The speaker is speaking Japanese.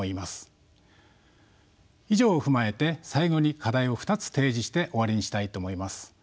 以上を踏まえて最後に課題を２つ提示して終わりにしたいと思います。